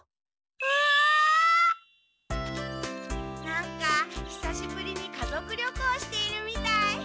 なんかひさしぶりに家族旅行しているみたい。